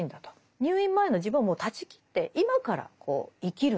入院前の自分をもう断ち切って今から生きるんだっていうね